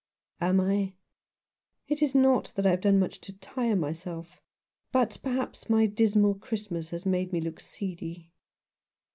" Am I ? It is not that I have done much to tire myself; but perhaps my dismal Christmas has made me look seedy."